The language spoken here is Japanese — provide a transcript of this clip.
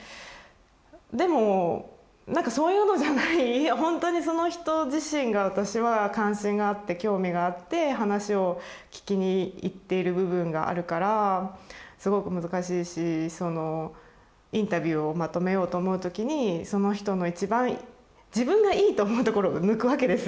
でもなんかそういうのじゃないほんとにその人自身が私は関心があって興味があって話を聞きに行っている部分があるからすごく難しいしインタビューをまとめようと思うときにその人の一番自分がいいと思うところを抜くわけですよ。